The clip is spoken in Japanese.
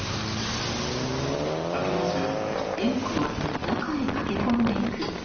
開けますよ。